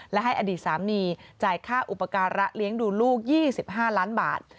และให้อดีตสามีจ่ายค่าอุปการะเลี้ยงดูลูก๒๕ล้านบาท